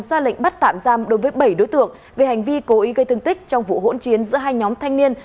ra lệnh bắt tạm giam đối với bảy đối tượng về hành vi cố ý gây thương tích trong vụ hỗn chiến giữa hai nhóm thanh niên